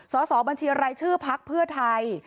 สอสอบัญชีอะไรชื่อภาคเพื่อไทย